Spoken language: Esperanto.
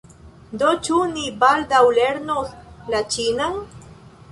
Do ĉu ni baldaŭ lernos la ĉinan?